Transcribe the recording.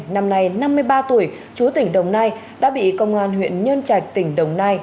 năm nay năm mươi ba tuổi chú tỉnh đồng nai đã bị công an huyện nhân trạch tỉnh đồng nai